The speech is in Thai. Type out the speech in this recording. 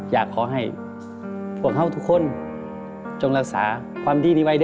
อยากขอให้พวกเห่าทุกคนจงรักษาความดีในวัยเด้อ